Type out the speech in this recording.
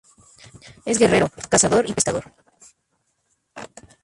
Es guerrero, cazador y pescador.